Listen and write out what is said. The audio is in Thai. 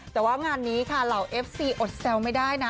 แต่ว่างานนี้ค่ะเหล่าเอฟซีอดแซวไม่ได้นะ